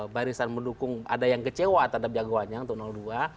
barisan mendukung ada yang kecewa terhadap jagoannya untuk dua